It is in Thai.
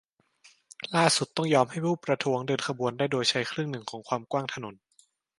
ล่าสุดต้องยอมให้ผู้ประท้วงเดินขบวนได้โดยใช้ครึ่งหนึ่งของความกว้างถนน